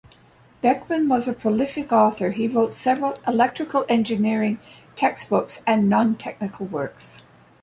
Beckmann was a prolific author; he wrote several electrical engineering textbooks and non-technical works.